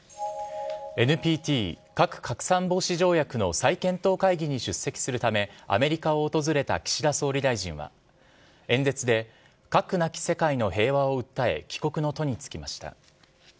ＮＰＴ・核拡散防止条約の再検討会議に出席するため、アメリカを訪れた岸田総理大臣は、演説で、核なき世界の平和を訴え、帰国の途に就きました。